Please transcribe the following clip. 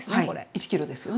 １ｋｇですよね。